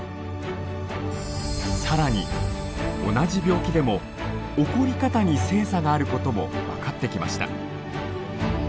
更に同じ病気でも起こり方に性差があることも分かってきました。